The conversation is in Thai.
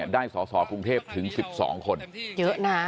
ได้สอสอกรุงเทพถึง๑๒คนเยอะนะ